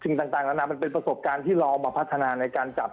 สิ่งต่างนานามันเป็นประสบการณ์ที่เราเอามาพัฒนาในการจับ